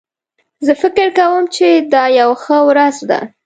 زه فکر کوم چې دا یو ښه ورځ ده